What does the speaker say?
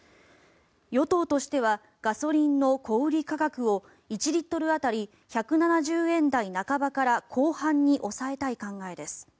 与党としてはガソリンの小売価格を１リットル当たり１７０円台半ばから後半に抑えたい考えです。